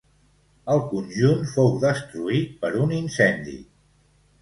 El conjunt fou destruït per un incendi.